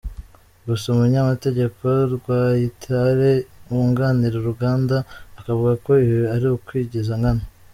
Gusa umunyamategeko Rwayitare wunganira uruganda akavuga ko ibi ari ukwigiza nkana.